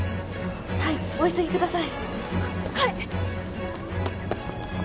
はいお急ぎください